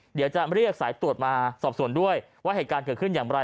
เดี๋ยวจะเรียกสายตรวจมาสอบส่วนด้วยว่าเหตุการณ์เกิดขึ้นอย่างไร